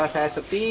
ya sejak saya sepi